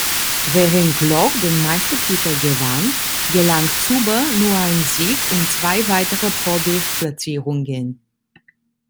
Während Glock den Meistertitel gewann, gelang Zuber nur ein Sieg und zwei weitere Podest-Platzierungen.